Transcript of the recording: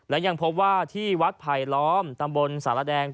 และยังพบว่าที่วัดไผลล้อมตำบลสารแดง